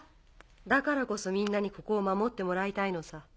だからこそみんなにここを守ってもらいたいのさ。